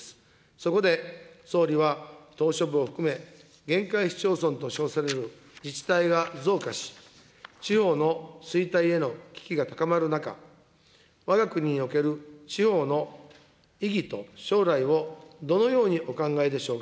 そこで総理は島しょ部を含め、限界市町村と称される自治体が増加し、地方の衰退への危機が高まる中、わが国における地方の意義と将来をどのようにお考えでしょうか。